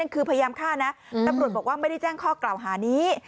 คือพยายามฆ่านะตำรวจบอกว่าไม่ได้แจ้งข้อกล่าวหานี้